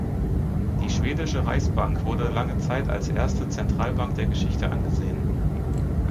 Die Schwedische Reichsbank wurde lange Zeit als erste Zentralbank der Geschichte angesehen.